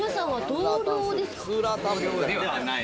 同僚ではない。